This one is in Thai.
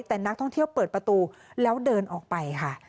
แต่นักท่องเที่ยวเปิดประตูแล้วเดินออกไปค่ะ